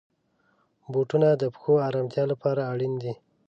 بوټونه د پښو آرامتیا لپاره اړین دي.